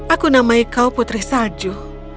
aku namai kau putri salju